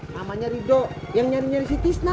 mamanya rido yang nyari nyari si tisna